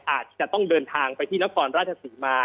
อาจจะต้องเดินทางไปที่นครราชศรีมา